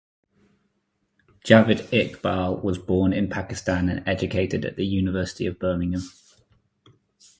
Javaid Iqbal was born in Pakistan and educated at the University of Birmingham.